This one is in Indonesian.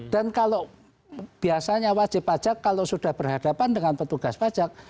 dan kalau biasanya wajib pajak kalau sudah berhadapan dengan petugas pajak